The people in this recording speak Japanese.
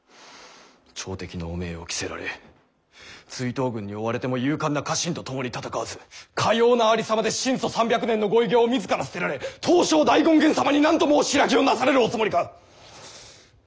朝敵の汚名を着せられ追討軍に追われても勇敢な家臣と共に戦わずかようなありさまで神祖三百年のご偉業を自ら捨てられ東照大権現様に何と申し開きをなされるおつもりか！」。